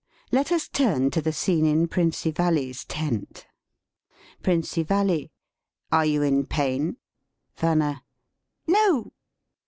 Let us turn to the scene in Prinzivalle's tent: 1 " PRINZIVALLE. Are you in pain? "VANNA. No!